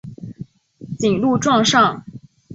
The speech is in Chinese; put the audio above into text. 谨录状上。